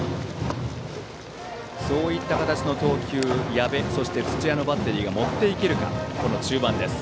そういった形の投球に矢部、土屋のバッテリーが持っていけるか、この中盤です。